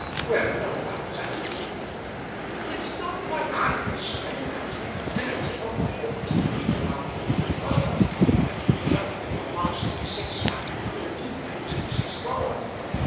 "Well; no; not exactly." "It's not like iron, sir. You can't make a dinner table for fourteen people out of indian rubber, that will shut up into a box 3 6 by 2 4 deep, and 2 6 broad.